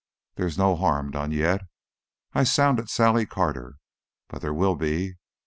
There is no harm done yet I sounded Sally Carter but there will be.